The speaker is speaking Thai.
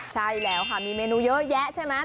ใช่แล้วค่ะมีเมนูเยอะแยะใช่ไหม